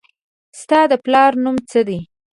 ستا د پلار نوم څه دي